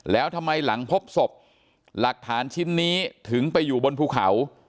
แล้วทำไมหลังพบศพหลักฐานชิ้นนี้ถึงไปอยู่บนภูเขา